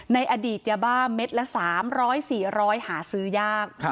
ในอดีตยาบ้าเม็ดละ๓๐๐๔๐๐หาซื้อยาก